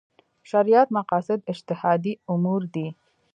شریعت مقاصد اجتهادي امور دي.